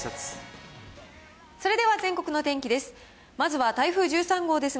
それでは全国の天気です。